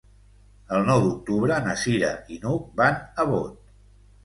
El nou d'octubre na Cira i n'Hug van a Bot.